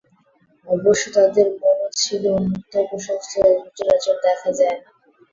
অবশ্য তাদের মনও ছিল উন্মুক্ত ও প্রশস্ত, যা সচরাচর দেখা যায় না।